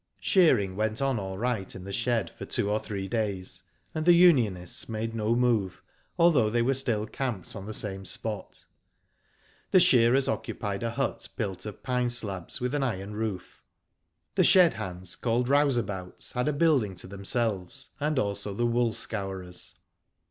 Shearing went on all right in the shed for two or three days, and the unionists made no move, although they were still camped on the same spot. The shearers occupied a hut built of pine slabs, with an iron roof. The shed hands, called rouse abouts, had a building to themselves, and also the wool scourers.